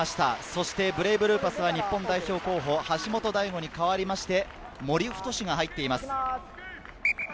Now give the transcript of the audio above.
そしてブレイブルーパスは日本代表候補、橋本大吾に代わって、森太志が入っています。